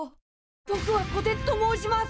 ぼくはこてつと申します！